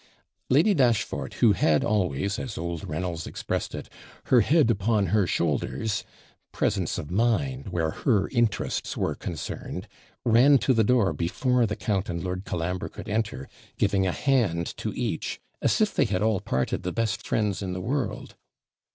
Lady Dashfort, who had always, as old Reynolds expressed it, 'her head upon her shoulders' presence of mind where her interests were concerned ran to the door before the count and Lord Colambre could enter, giving a hand to each as if they had all parted the best friends in the world.